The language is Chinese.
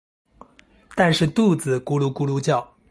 但是肚子咕噜咕噜叫